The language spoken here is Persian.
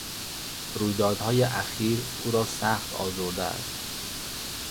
رویدادهای اخیر او را سخت آزرده است.